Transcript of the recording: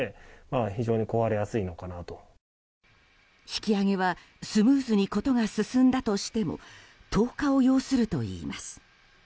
引き揚げはスムーズに事が進んだとしても１０日を要するといいます。